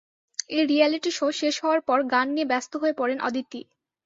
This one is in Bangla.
এই রিয়্যালিটি শো শেষ হওয়ার পর গান নিয়ে ব্যস্ত হয়ে পড়েন অদিতি।